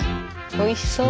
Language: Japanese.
おいしそう！